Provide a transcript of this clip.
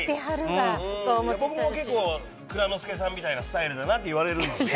僕も結構、蔵之介さんみたいなスタイルだなっていわれるんですよ。